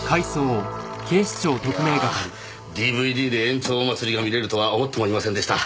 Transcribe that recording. いやＤＶＤで「円朝まつり」が見れるとは思ってもいませんでした。